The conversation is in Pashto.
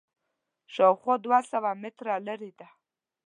شاوخوا دوه سوه متره لرې ده.